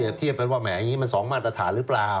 มีคนเปรียบเทียบว่าแหมอย่างงี้มันสองมาตรฐานรึเปล่า